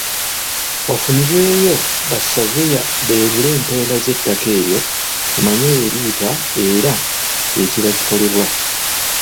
Wafunibweeyo ba Surveyor beerule empenda z'ettaka eryo tumanye weriyita era kye kiba kikolebwa.